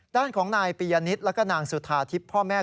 ด้านของนายปียณิชร์และนางสุธาทิพย์พ่อแม่